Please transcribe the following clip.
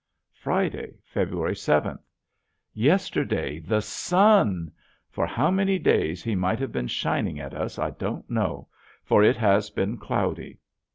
Friday, February seventh. Yesterday, THE SUN! For how many days he might have been shining at us I don't know, for it has been cloudy.